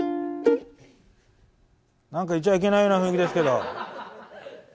何かいちゃいけないような雰囲気ですけど。